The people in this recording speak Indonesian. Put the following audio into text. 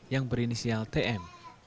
yang berinisial tm